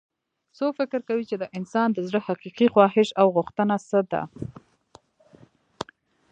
څوک فکر کوي چې د انسان د زړه حقیقي خواهش او غوښتنه څه ده